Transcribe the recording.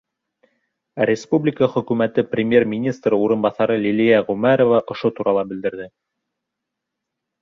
Республика Хөкүмәте Премьер-министры урынбаҫары Лилиә Ғүмәрова ошо турала белдерҙе.